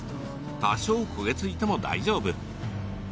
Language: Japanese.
多少、焦げ付いても大丈夫。